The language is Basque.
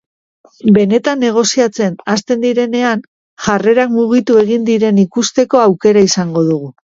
Benetan negoziatzen hasten direnean jarrerak mugitu egin diren ikusteko aukera izango dugu.